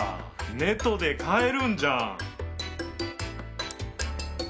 ネットで買えるんじゃん！